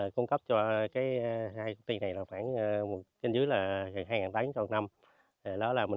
cung cấp cho hai công ty này khoảng trên dưới hai tấn trong một năm